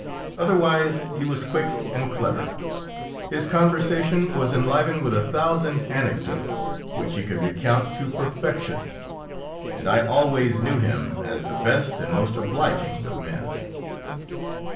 Otherwise he was quick and clever, his conversation was enlivened with a thousand anecdotes which he could recount to perfection, and I always knew him as the best and most obliging of men.